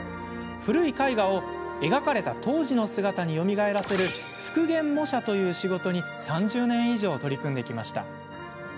古い絵画を描かれた当時の姿によみがえらせる復元模写という仕事に３０年以上取り組んできました。